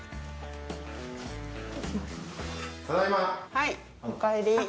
はいおかえり。